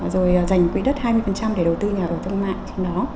rồi giành quỹ đất hai mươi để đầu tư nhà ở thông mạng trong đó